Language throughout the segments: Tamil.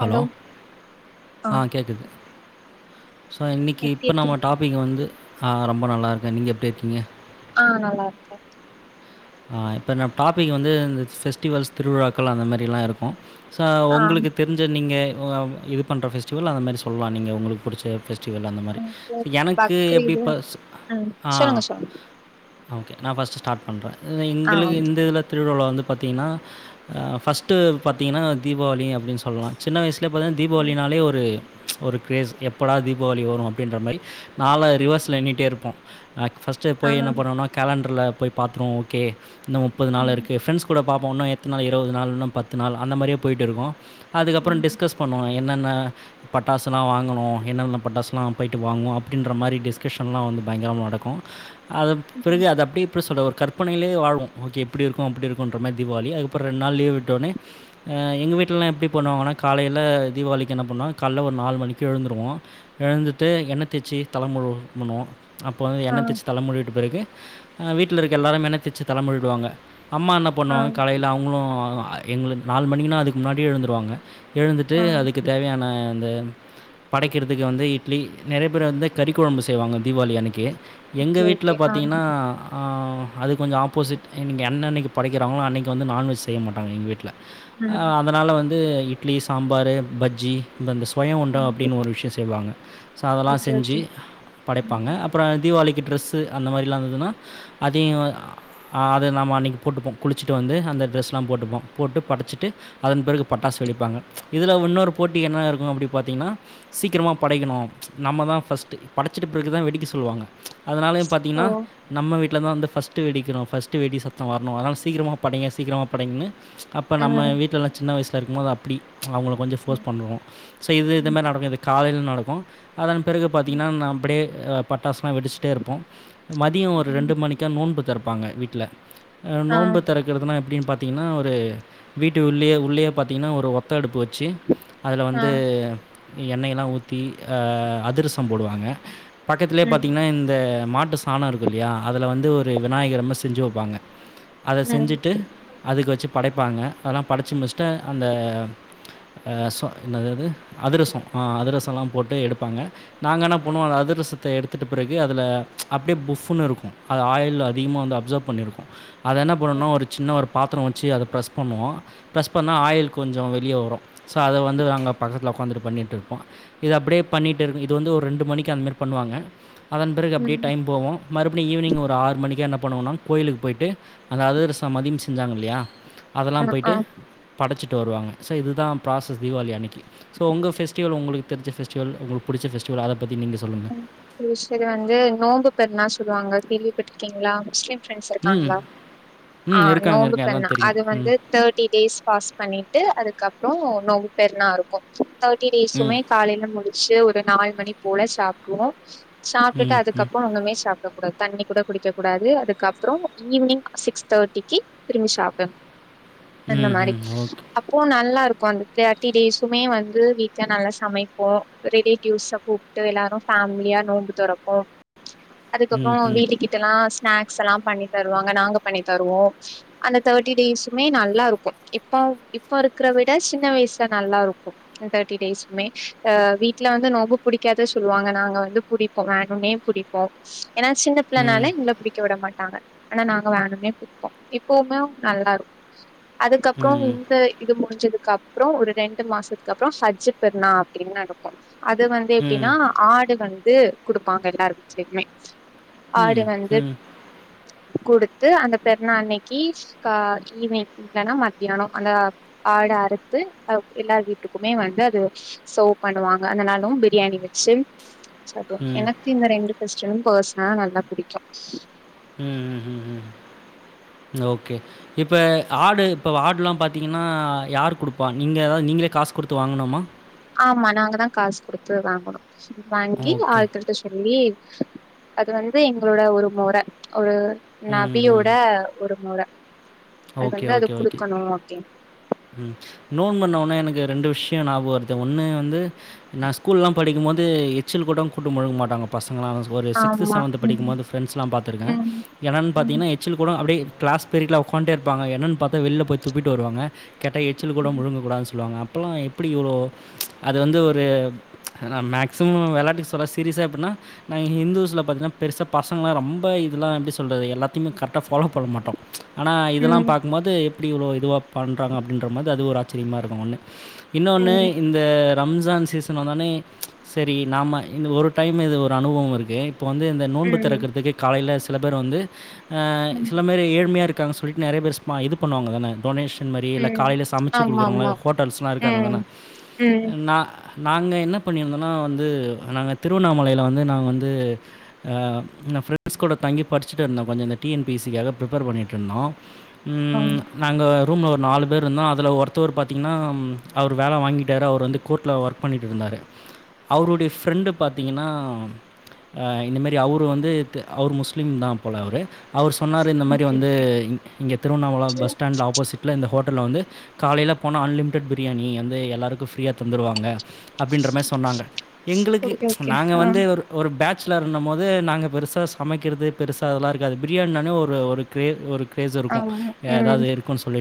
ஹலோ ஆ கேக்குது ஸோ இன்னைக்கி எப்டி இப்போ நம்ம இருக்கீங்க டாப்பி் வந்து ஆ ரொம்ப நல்லாருக்கே நீங்க எப்டி இருக்கீங்க ஆ நல்லாருக்கே அ இப்ப நம் டாப்பிக் வந்து இந்த ஃபெஸ்டிவல்ஸ் திருவிழாக்கள் அந்த மாதிரிலா இருக்கு ஸோ ஆ உங்களுக்குத் தெரிஞ்ச நீங்க ஒ இ இது பண்ற ஃபெஸ்டிவல் அந்த மாதிரி சொல்லலா நீங்க உங்ளுக்கு பிடிச்ச ஃபெஸ் டிவெல் அந்த மாரி எனக்கு இப்ப எனக்கு எப்டி பக்ரீது பஸ்சு ம் ஆ சொல்லுங்க சொல்லுங்க ஓகே நா ஃபஸ்ட்டு ஸ்டார்ட் பண்றே ஆ எங்ளுக்கு இந்த இதுல திருவிழால வந்து பாத்திங்கன்னா ஃபஸ்ட்டு பாத்திங்கன்னா தீபாவளி அப்டின்னு சொல்லலா சின்ன வயசிலே பாத்திங்கனா ம். தீபாவளினாலே ஒரு ஒரு க்ரேஸ் எப்படா தீபாவளி வரு அப்டின்ற மாரி நாள ரிவர்ஸ்ல எண்ணிட்டே இருப்போ அ ஃபஸ்ட்டு ஆ போய் என்ன பண்ணுவன்னா கேலண்டர்ல போய் பாத்துருமவோ ஓகே இன்னு முப்பது நாள் ம் இருக்கு ஃப்ரண்ட்ஸ் கூட பாப்போ இன்னு எத்தன நாள் இருவது நாள் இன்னு பத்து நாள் அந்த மாரியே பொய்ட்டு இருக்கு அதுக்கப்ரோ ம் டிஸ்கஸ் பண்ணுவோ என்னென்ன பட்டாசுலா வாங்கணு என்னென்ன பட்டாசுலா பொய்ட்டு வாங்குவோ அப்டின்ற மாரிலா டிஸ்கஷன்லா வந்து பயங்ரம நடக்கு அது ம் பிறகு அது அப்டி எப்டி சொல்ற ஒரு கருத்து கற்பனையிலே வாழ்வோ ஓகே இப்டி இருக்கு அப்டி இருக்குன்ற தீபாவளி அதுகப்ரோ ரெண்டு நாள் லீவு விட்டொனே ஆ எங்க வீட்லலா எப்டி பண்ணுவாங்கன்னா காலையில தீபாவளிக்கு என்ன பண்ணா காலையில ஒரு நாலு மணிக்கு எழுந்துருவோ எழுந்துட்டு எண்ண தேச்சி தலைமொழு முணு அப்போ வந்து ஆ எண்ண தேச்சு தல மூழிகிட்ட பிறகு வீட்ல இருக் எல்லாரு என்ன தேச்சு தலைமுழிடுவாங்க அம்மா என்ன ஆ பண்ணுவாங்க கலையில அவங்ளு எங்கலு நாலு மணிக்குனா அதுக்கு முன்னாடியே எழுந்துருவாங்க எழுந்துட்டு ஆ அதுக்கு தேவையான அந்த படைக்கிறதுக்கு வந்து இட்லி நெறைய பேர் வந்து கறிக்கொழம்பு செய்வாங்க தீபாவளி அன்னைக்கி எங்க ஓகே வீட்ல ஓகே ஆ பாத்திங்ன்னா ஆ அது கொஞ்ஜோ ஆப்போஸிட் இன்னக் என்ன என்னைக்கு படிக்றாங்களோ அன்னைக்கு வந்து நான்வெஜ் செய்யமாட்டாங்க எங்க வீட்ல ஆ ம் அதனால வந்து இட்லி சாம்பாரு பஜ்ஜி இந்தந்த ஸ் பயோ உண்டா ம் அப்டின்னு ஒரு விஷ்யோ செய்வாங்க ஸோ அதெல்லா ஓகே ஓகே செஞ்சு படைப்பாங்க ம் அப் அப்ரோ தீபாவளிக்கு ட்ரெஸ்ஸு அந்த மாரிலா இருந்துன்னா அதையு ஆது நம்ம அன்னைக்கி போட்டுப்போ குளிச்சிட்டு வந்து அந்த ட்ரெஸ்லா போட்டுப்போ போட்டு படச்சிட்டு அதன் பிறகு பட்டாசு வெடிப்பாங்க இதுல இன்னொரு போட்டி என்ன இருக்கு அப்டி பாத்திங்கன்னா சீக்ரமா படைக்கணு நம்ம தா ஃபர்ஸ்ட்டு படைச்சுட்டு பிறகுதா வெடிக்க சொல்லுவாங்க அதனால ஓ பாத்திங்கன்னா நம்ம வீட்ல தா வந்து ஃபஸ்ட்டு வெடிக்கணு ஃபஸ்ட்டு வேடி சத்தோ வரனு அதனால சீக்ரமா படைங்க சீக்ரமா படைங்கனு அப் அப்போ ஆ நம்ம வீட்லலா சின்ன வயசில இருக்கும்போது அப்டி அவங்கள கொஞ்ஜோ ஃபோர்ஸ் ம் பண்ணுவோ செய்தது இதுமாரி ம் நடக்கு இது காலையி நடக்கு அதன் பிறகு ம் பாத்திங்கன்னா நா அப்டியே அ பட்டாசுலா வெடிச்சிட்டே இருப்போ மதியோ ஒரு ம் ரெண்டு மணிக்க நோன்பு தெரப்பாங்க வீட்ல அ ஆ நோம்பு தெரக் க்றதுனா எப்டின்னு பாத்திங்கன்னா ஒரு வீட்டு உள்ளேயே உள்ளேயே பாத்திங்கன்னா ஒரு ஒத்த அடுப்பு வச்சு அதுல ஆ வந்து எண்ணெயல்லா ஊத்தி ஆ அதிரஸோ போடுவாங்க பக்கத்திலயே ம் பாத்திங்கன்னா இந்த மாட்டு சாணோ இருக்கு இல்லையா அதுல வந்து ஒரு விநாயகரம செஞ்சு வைப்பாங்க அத ம் செஞ்சுட்டு அதுக்கு வச்சு படைப்பாங்க அதெல்லா படச்சு முடிச்சிட்டு அந்த ஆ சொ என்னாதது அதுரசோ ஆ அதிரஸோலா போட்டு எடுப்பாங்க நாங்க என்னா பண்ணுவோ அதுரஸத்த எடுத்துட்ட பிறகு அதில அப்டியே புஃபுன்னு இருக்கு அது ஆயில் அதிகமாக வந்து அப்சர்வ் பண்ணிருக்கு அத என்ன பண்ணனு ஒரு சின்ன ஒரு பாத்திர வச்சு அத ப்ரெஸ் பண்ணுவோ ப்ரெஸ் பண்ணா ஆயில் கொஞ்ச வெளியே வரு ஸோ அத வந்து அங்க பக்கத்தில உக்காந்துட்டு பண்ணிட்ருப்போ இது அப்படியே பண்ணிட்டு இரு இது வந்து ஒரு ரெண்டு மணிக்கு அந்த மாரி பண்ணுவாங்க அதன் பிறகு அப்டியே ம் டைம் போவோ மறு அப்ப ஈவினிங் ஒரு ஆறு மணிக்க என்ன பண்ணுவங்கன்னா கோயிலுக்கு போயிட்டு அந்த அதர்சம் மதிய செஞ்சாங்க இல்லையா அதெல்லா ஆ ஆ போய்ட்டு படைச்சிட்டு வருவாங்க சோ இதுதா ப்ராசஸ் தீபாவளி அணிக்கு சோ உங்க ஃபெஸ்டிவல் உங்ளுக்கு தெரிஞ்ச ஃபெஸ்டிவல் உங்களுக்கு புடிச்ச ஃபெஸ்டிவல் அத பத்தி நீங்க சொல்லுங்க எங்க ஸைடு வந்து நோன்பு பெருனா சொல்லுவாங்க கேள்விபட்றுகீங்களா முஸ்லிம் ஃபிரிண்ட்ஸ் ம் இருக்காங்களா ஆ ம் இருக்காங்க நோன்பு இருக்காங்க பண்ண எல்லாம் தெரியும் அது ம் வந்து தேர்ட்டி டேஸ் பாஸ் பண்ணிட்டு அதுக்கப்பறோ நோம்பு பெருனா இருக்கு தேர்டி ம் டேஸுமே காலையில முடிச்சு ஒரு நாலு மணி போல சாப்டுவோ சாப்ட்டுட்டு ம் அதுக்கப்பறோ ஒண்னுமே சாப் கூடாது தண்ணி கூட குடிக்க கூடாது அதுக்கப்பறோ ஈவினிங் சிக்ஸ் தேர்ட்டிக்கு திரும்பி சாப்டனு அந்த ம் ம் மாரி ம் ஓகே அப் ஓ நல்லா இருக்கு அந்த தேர்ட்டி டேஸுமே வந்து வீட்ல நல்லா சமைப்போ ரிலேட்டிவ்ஸ கூப் ட்டு எல்லாரு பேமிலியா நோன்பு தொறப்போ அதுக்கப்றோ ம் ம் வீட்டுக்கு கிட் ல்லா ஸ்நாக்ஸ் எல்லா பண்ணி தருவாங்க நாங்க பண்ணி தருவோ அந்த தேர்ட்டி டேஸுமே நல்லா இருக்கு இப்ப இப்ப இருக்கிற விட சின்ன வயசுல நல்லா இருக்கு தேர்டி டேஸுமே ஆ வீட்ல வந்து நோம்பு புடிக்காத சொல்லுவாங்க நாங்க வந்து புடிப்போ வேணுமே புடிப்போ ஏன்னா சின்ன ம் பிள்ளனால எங்கள புடிக்க விட மாட்டாங்க ஆனா நாங்க வேணுனே புடிப்போ இப்பவுமே நல்லா இருக்கு அதுக்கப்றோ ம் இந்த இது முடிஞ்சதுக்கு அப்றோ ஒரு ரெண்டு மாசத்துக்கு அப்றோ ஹஜ்ஜ் பெருனா அப்டின்னு நடக்கு அது வந் து ஆ ம் எப்டின்னா ஆடு வந்து குடுப்பாங்க எல்லார் வீட்லயுமே ஆடு ம் வந்து ம் குடுத்து அந்த பெருநா அன்னைக்கி கா ஈவினிங் இல்லன்னா மத்தியானோ அந்த ஆடு அறுத்து எல்லா வீட்டுக்குமே வந்து அது செர்வ் பண்ணுவாங்க அந்த நாளு பிரியாணி வெச் சு சாப்டுவோ ம் எனக்கு இந்த ரெண்டு பெஸ்டிவல் பர்சனலா நல்லா புடிக்கு ம் ம் ம் ஓகே இப்ப ஆடு இப்ப ஆடுல்லா பாத்தீங்கன்னா யார் குடுப்பா நீங்க அதாவது நீங்களே காசு குடுத்து வாங்கனுமா ஆமா நாங்க தா காசு குடுத்து வாங்கணு வாங்கி ஓகே. ஆள் கிட்ட சொல்லி அது வந்து எங்களோட ஒரு மொற ஒரு ம், நபியோட ம். ஒரு மொற அது ஓகே, வந்து அது ஓகே, ஓகே. குடுக்கணு அப்டின்னு ம் நோன்புன்ன ஒடனே எனக்கு ரெண்டு விஷியோ ஞாபக வருது ஒன்னு வந்து நா ஸ்கூல் எல்லா படிக்கும் போது எச்சல் கூட முழுங்க மாட்டாங்க பசங்களா ஒரு சீக்ஸ்த் ஆமா செவேந்த் ம் படிக்கும்போது பிரிண்ட்ஸ்ல பாத்திருக்கே ம் என்னன்னு ம் பாத்தீங்கன்னா எச்சில் கூட அப்டியே கிளாஸ் ஃபிரிட்ல உக்காண்டே இருப்பாங்க என்னனு பாத்த வெளில போய் துப்பிட்டு வருவாங்க கேட்ட எச்சல் கூட முழுங்கக்கூடாதுனு சொல்லுவாங்க அப்போலா எப்டி இவ்ளோ அது வந்து ஒரு அதுனா மேக்சிமம் வெளாட்டுக்கு சொல்ல சீரியஸா எப்டின்னா நாங்க இந்துஸ்ல பாத்தீங்கா பெரிசா பசங்கல்லா ரொம்ப இதெல்லா எப்டி சொல்றது எல்லாத்தையுமே கரெக்டா ஃபாலோ பண்ண மாட்டோ ஆனா இதெல்லா ம் பாக்கும்போது எப்டி இவ்ளோ இதுவா பண்ணுறாங்க அப்டின்ற மாரி அது ஒரு ஆச்சரியமாக இருக்கு ஒன்னு இன்னொன்று ம் இந்த ரம்ஜான் சீசன் வந்தோனே செரி நாம இந்த ஒரு டைம் இது ஒரு அனுபவோ இருக்கு இப்போ வந்து இந்த நோன்பு ம் திறக்கிறதுக்கு காலையில சில பேர் வந்து ம் சில பேர் ஏழ்மையாக இருக் இருக்காங்க சொல்ட்டு நெறைய பேரு இது பண்ணுவாங்க தானே டெனோஷ இ மாரி இல்ல ம் காலையில சமச்ச ஆமாமா குடுக்குறவங்கள ஹோட்டல்ஸ்லா இருக்காங்க ம் தான ம் நா நாங்க என்ன பண்ணியிருந்தோன்னா வந்து நாங்க திருவண்ணாமலையில வந்து நாங்க வந்து நா ஃப்ரெண்ட்ஸ் கூட தங்கி படிச்சுட்டு இருந்தோ கொஞ்சோ இந்த டி என் பி சி க்காக ப்ரிப்பேர் பண்ணிட்டு இருந்தோ ஆ ம் நாங்கோ ரூமில் ஒரு நாலு பேர் இருந்தோ அதில ஒருத்தவர் பாத்திங்கன்னா அவரு வேல வாங்கிட்டாரு அவரு வந்து கோர்ட்டில ஒர்க் பண்ணிட்டு இருந்தாரு அவருடைய ஃப்ரெண்டு பாத்தீங்கன்னா அ இந்த மாரி அவரு வந்து அவர் முஸ்லிம் தா போல அவரு அவர் சொன்னாரு இந்த மாரி ஓகே வந்து ஓகே இங் இங்க திருவண்ணாமல பஸ் ஸ்டாண்டில ஆப்போசிட் இல்ல இந்த ஹோட்டலில் வந்து காலைல போனா அன்லிமிடெட் பிரியாணி வந்து எல்லாருக்கு ஃப்ரியா தந்துருவாங்க அப்டின்ற மாரி சொன்னாங்க எங்களுக்கு ஓகே ஓகே நாங்க ஆ வந்து ஒரு ஒரு பேட்சலர்னும் போது நாங்க பெருசாக சமைக்கிறது பெருசாக அதெல்லா இருக்காது பிரியாணினானே ஒரு ஒரு கிரே ஒரு கிரேஸ் இருக்கு ஆமா ம் எதாவது இருக்குன்னு சொல்லி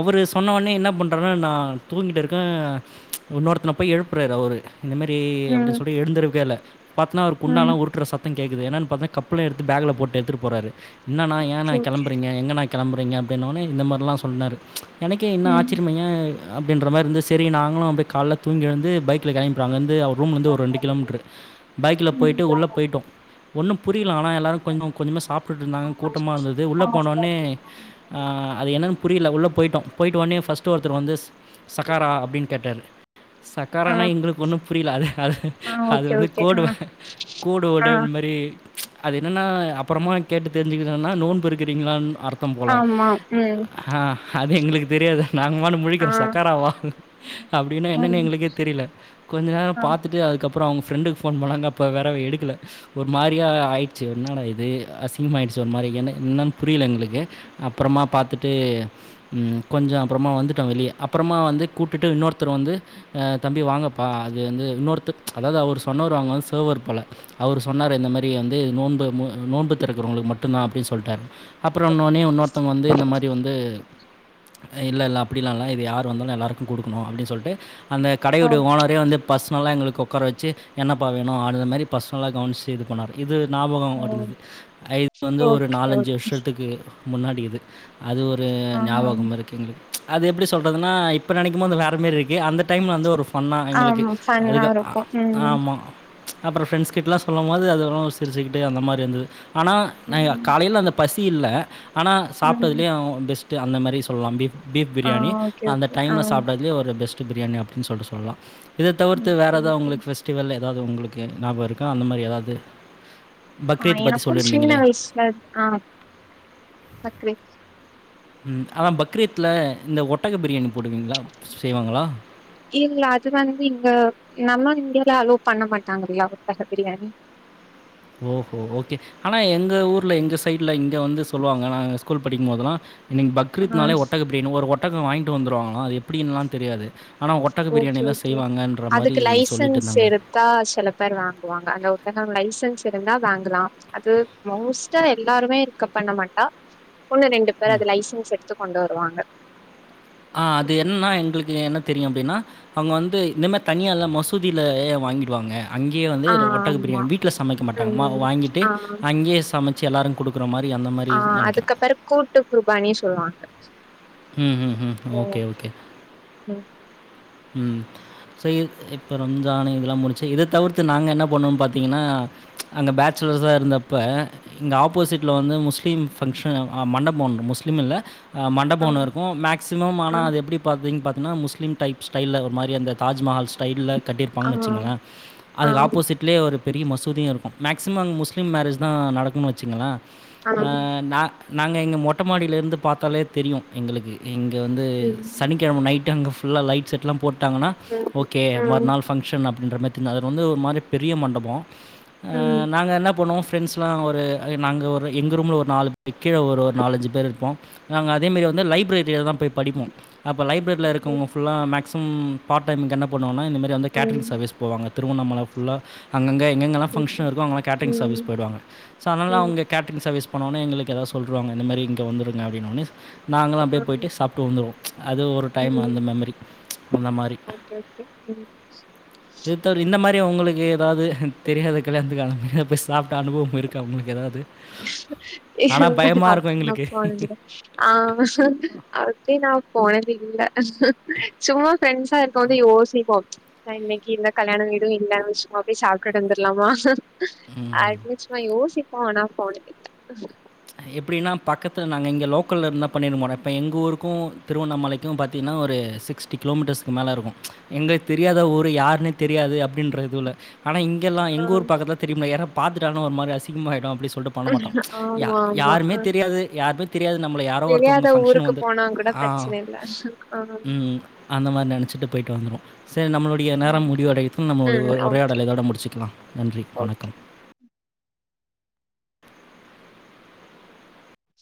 அவரு சொன்ன ஒடனே என்ன பண்றான்னா நா தூங்கிட்டு இருக்கே இன்னொருத்தன போய் எழுப்புறாரு அவரு இந்த மாரி ம் அப்டின்னு சொல்லி எழுந்திருக்கவே இல்ல பாத்தோனா அவரு குண்டாலா ம் உருட்டுற சத் த்த கேக்குது ஏன்ன கப்பல எடுத்து பேகுல போட்டு எடுத்துட்டு போறாரு என்னா ஏனா ஓகே ஓகே கெளம்பறீங்க எங்கனா கெளம்புறீங்க அப்டின்னொடனே இந்த மாரிலா சொன்னாரு எனக்கே இன்னு ம் ஆச்சரியமா ஏ அப்படின்ற மாரி இருந்து சரி நாங்களு அப்டியே கால்ல தூங்கி எழுந்து பைக்ல கெளம்பிறாங்க அங்கருந்து ரூம்லேந்து ஒரு ரெண்டு கிலோமீட்டரு பைக்கில ம் போய்டு உள்ள போய்ட்டோ ஒன்னு புரியல ஆனா எல்லாரு கொஞ்ச கொஞ்சம சாப்ட்டுட்டு இருந்தாங்க கூட்டமாக இருந்தது உள்ள போனொனே ஆ அது என்னன்னு புரியல உள்ள போயிட்டோ போய்ட்டு ஒனே ஃபஸ்ட்டு ஒருத்தர் வந்து சகாரா அப்டின்னு கேட்டாரு ஆ சக்காரனா எங்களுக்கு ஒன்னு புரியல அது அது ஆ அது ஓகே வந்து ஓகே ஆ கோடு கூடு ஆ வொடு இந்த மாரி அது என்னன்னா அப்பறமா கேட்டு தெரிஞ்சுக்கனனா நோன்பு இருக்குறீங்களான் அர்த் ஆமா ம் ஆ அது எங்களுக்கு தெரியாது நாங்க [unintelligible] ஆ முழிக்கிற சக்காராவா அப்படின்னு என்னன்னு ம் எங்களுக்கே தெரியல கொஞ்ச நேர ஆ பாத்துட்டு அதுக்கப் அப்பற அவங்க ஃப்ரெண்டுக்கு ஃபோன் பண்ணாங்க அப்ப வெறவ எடுக்கல ஒரு மாரியா ஆயிடுச்சு என்னடா இது அசிங்கமாயிடுச்சு ஒரு மாரி ஏனா என்னன்னு புரியல எங்களுக்கு அப்பறமா பாத்துட்டு ம் கொஞ்ச அப்புறமா வந்துட்டோ வெளிய அப்பறமா வந்து கூட்டுட்டு இன்னொருத்தர் வந்து ஆ தம்பி வாங்கப்பா அது வந்து இன்னொருத்த அதாவது அவரு சொன்னர் அங்க வந்து சேர்வர் போல அவரு சொன்னாரு இந்த மாரி வந்து நோம்பு நோம்பு திறக்கறவங்களுக்கு மட்டுந்தா அப்டின்னு சொல்ட்டாரு அப்பறோ இன்னொனே இன்னொத்தங்க வந்து இந்த மாரி வந்து இல்ல இல்ல அப்படிலா இல்ல இது யார் வந்தாலு எல்லாருக்கு குடுக்கணு அப்படின் சொல்ட்டு அந்த ஆ கடையுடைய ஓனரே வந்து பர்சனலாக எங்களுக்கு உக்கார வச்சு என்னப்பா வேணு அது மாரி பர்ஸ்னலா கவன்ச் செய்து போனார் இது ஞாபக ஓ வருந்தது ஐ இது வந்து ஒரு ஓகே நாலஞ்சு ஓகே வருஷத்துக்கு முன்னாடி இது அது ஒரு ஆ ஞாபகம் இருக்குங்க அது எப்டி சொல்றதுன்னா இப்ப நெனைக்கும் போது அது வேற மாரி இருக்கு அந்த டைம்ல வந்து ஒரு பண்ணால் எங்களுக்கு ஆமா ஃபன்னா அதுக்க அ இருக்கு ம் ஆமா அப்பற ஃப்ரண்ஸ் கிட்டல்லா சொல்லும் போது அதல்லா சிரிச்சுக்கிட்டு அந்த மாரி இருந்தது ஆனா ம் காலையில அந்த பசி இல்ல ஆனா ம் சாப்ட்டதுலே அவ பெஸ்ட்டு அந்த மாரி சொல்லலா பீஃப் பீஃப் ஆ பிரியாணி ஓகே அந்த ஓகே ஆ டைமில சாப்ட்டதுலயே ஒரு பெஸ்ட்டு பிரியாணி அப்டின்னு சொல்ட்டு சொல்லலா இத தவிர்த்து வேறு ஓகே எதா ஓகே உங்களுக்கு ஃபெஸ்டிவல் ஏதாவது உங்களுக்கு ஞாபக இருக்கா அந்த மாரி ஏதாவது ஆ பக்ரீத் பத்தி எனக்கும் சின்ன சொல்லியிருந்தீங்களே! வயசல ஆ [unintelligible] ம் அதா பக்ரீத்ல இந்த ஒட்டக பிரியாணி போடுவீங்களா செய்வாங்களா இல்ல அது வந்து இங்க நம்மா இந்தியால அலோவ் பண்ண மாட்டாங்கல்லியா ஓட்டக பிரியாணி ஓஹோ ஓகே ஆனா எங்க ஊர்ல எங்க சைட்ல இங்க வந்து சொல்லுவாங்க நாங்க ஸ்கூல் படிக்கும்போதெல்லா இன்னைக்கு ஆ பக்ரீத்னாலே ஒட்டக பிரியாணி ஒரு ஒட்டக வாங்கிட்டு வந்துருவாங்களா அது எப்டின்லா தெரியாது ஆனா ஒட்டக ஓகே பிரியாணி தா ஓகே செய்வாங்கன்ற மாரி சொல்லிட்ருந்தாங்க தா சில பேர் வாங்குவாங்க அங்க ஒருத்தங்க லைசன்ஸ் இருந்தா வாங்கலா அது மோஸ்டா எல்லாருமே இருக்க பண்ண மாட்டா ஒண்ணு ரெண்டு வேற அது லைசன்ஸ் எடுத்து கொண்டு வருவாங்க ஆ அது என்னன்னா எங்களுக்கு என்ன தெரியு அப்படின்னா அவங்க வந்து இந்த மாரி தனியல்லா மசூதியில வாங்கிடுவாங்க அங்கேயே வந்து ஆ று ஒட்டக ஆமா பிரியாணி வீட்ல சமைக்க மாட்டாங்க மா ம் வாங்கிட்டு ஆ அங்கேயே சமை வச்சு எல்லாரரு குடுக்குற மாரி அந்த மாரி நெனைக்கறே கூட்டுக்குருபாணி சொல்வாங்க ம் ம் ம் ஓகே ஓகே ம் ம் [unintelligible] இப்போ ரம்ஜானு இதெல்லா முடிச்சு இத தவிர்த்து நாங்க என்ன பண்ணுவோம்னு பாத்தீங்கன்னா அங்க பேச்சுலர்ஸா இருந்தப்ப இங்க ஆப்போசிட்ல வந்து முஸ்லீம் ஃபங்க்ஷன் ஆ மண்டபோ ஒன்னு முஸ்லீம் இல்ல ஆ மண் டபோ ஒன்னு இருக்கும் மேக்சிமம் ஆ ஆனா அது எப்டி பாத்தீங்க பாத்தீங்கன்னா முஸ்லீம் டைப் ஸ்டைல்ல ஒரு மாரி அந்த தாஜ்மஹால் ஸ்டைல்ல ஆ கட்டியிருப்பாங்கனு வச்சுங்கள ஆ அதுக்கு ஆப்போசிட் லே ஒரு பெரிய மசூதியு இருக்கும் மேக்ஸிமம் அங்க முஸ்லீம் மேரேஜ்தா நடக்குன்னு வச்சுங்கள ஆ நா நாங்க எங்க மொட்ட மாடிலேருந்து பாத்தாலே தெரியு எங்களுக்கு இங்க வந்து ம் சனி க்கெழம நைட் அங்க ஃபுல்லா லைட் செட்லா போட்டாங்கன்னா அப்டி ஓகே நா மறுநாள் ஃபங்க்ஷன் அப்டின்ற மாரி தெரி அது வந்து ஒரு மாரி பெரிய மண்டபோ ஆ நாங்க என்ன பண்ணுவோ ஃப்ரெண்ட்ஸ்லா ஒரு நாங்க ஒரு எங்க ரூம்ல ஒரு நாலு பேர் கீழ ஒரு நாலஞ்சு பேர் இருப்போ நாங்க அதே மாரி வந்து லைப்ரரி தா போய் படிப்போ அப்ப லைப்ரரில இருக்கவங்க ஃபுல்லா மேக் சிம் பார்ட் டைமுக்கு என்ன பண்ணுவோன்னா இந்த மாரி வந்து கேட்டரிங் சர்வீஸ் போவாங்க திருவண்ணாமல ஃபுல்லா அங்கங்க எங்கெங்கல்லா ஃபங்ஷன் இருக்கோ அங்கல்லா கேட்ரிங் சர்வீஸ் போயிடுவாங்க ஸோ அதனால அவுங்க கேட்ரிங் சர்வீஸ் போனோன்னே எங்களுக்கு ஏதாது சொல்ருவாங்க இந்த மாரி இங்க வந்துங்க அப்டின்னொன்னே நாங்களு அப்டியே போயி்ட்டு சாப் ட்டு வந்துருவோ அது ஒரு டைம் அந்த மெமரி அந்த மாரி இது தவிர இந்த மாரி உங்களுக்கு ஏதாது தெரியாத கல்யாணத்துக்கெல்லா போய் சாப்ட்ட அனுபவம் இருக்கா உங்களுக்கு ஏதாது இல்ல அப்டிலா எங்களுக்கு. போனதுல்ல ஆ அப்டி நா போனது இல்ல சும்மா ஃப்ரெண்ட்ஸா இருக்கும் போது யோசிப்போ தா இன்னைக்கி இந்த கல்யாண வீடும் இல்லன்னா சும்மா போய் சாப்ட்டுட்டு வந்துர்லாமா ஆக்சுவலி சும்மா யோசிப்போ ஆனா போனதில்ல எப்டின்னா பக்கத்துல நாங்க இங்க லோக்கல்ல இருந்தா பண்ணிருக்க மாட்டோ இப்ப எங்க ஊருக்கு திருவண்ணாமலை க்கும் பாத்தீங்கன்னா ஒரு சிக்ஸ்டி கிலோமீட்டர்ஸ்க்கு மேல இருக்கும் எங்களுக்கு தெரியாத ஊரு யாருனே தெரியாது அப்டின்ற இதுவுல ஆனா இங்கெல்லா ஆ எங்க ஊர் பக்கத்துல தெரியும்ல யாரா பாத்துட்டாங்கன்னா ஒரு மாரி அசிங்கமாயிடு அப்டி சொல்லி பண்ண மாட்டோ யா ஆமா ஆமா யாருமே ஆ தெரியாது யாருமே தெரியாது நம்மள யாரோ தெரியாத ஒருத்தவங்க ஃபங்க்ஷன் ஊருக்கு வந்து போனா கூட ஆ பிரச்சன இல்ல ஆ ம்‌ அந்த மாரி நெனச்சிட்டு போய்ட்டு வந்துருவோ சேரி நம்மளுடைய நேரம் ம் முடிவடை து நம்ம உ ம் ஓகே உரையாடலை இதோட முடிச்சுக்கலா நன்றி வணக்கம்